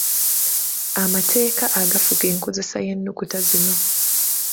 Amateka agafuga enkozesa y’ennukuta zino.